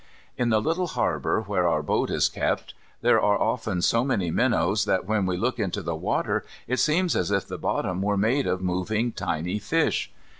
In the little harbour, where our boat is kept, there are often so many minnows that when we look into the water it seems as if the bottom were made of moving tiny fish.